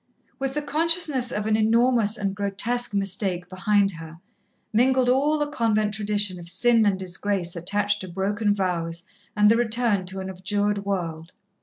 With the consciousness of an enormous and grotesque mistake behind her, mingled all the convent tradition of sin and disgrace attached to broken vows and the return to an abjured world.